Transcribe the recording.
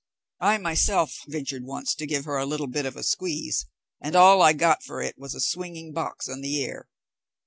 I myself ventured once to give her a little bit of a squeeze, and all I got for it was a swinging box on the ear.